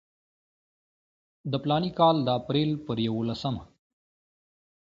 د فلاني کال د اپریل پر یوولسمه.